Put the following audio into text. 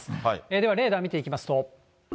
では、レーダー見ていきますと。